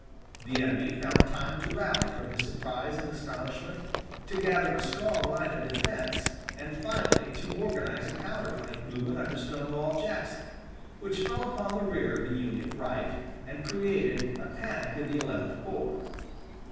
The enemy found time to rally from his surprise and astonishment, to gather a strong line of defense, and finally, to organize a counter flank movement under Stonewall Jackson, which fell upon the rear of the Union right and created a panic in the Eleventh Corps.